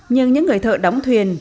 nhưng những người thợ đóng thuyền